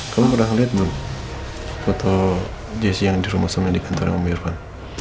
kamu pernah ngelihat belum foto jessy yang di rumah semuanya di kantornya umirvan